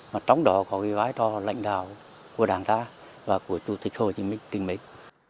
mà trong đó có cái vái to lãnh đạo của đảng ta và của chủ tịch hồ chí minh kinh mấy